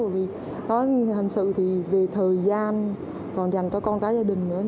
vì hình sự thì về thời gian còn dành cho con gái gia đình nữa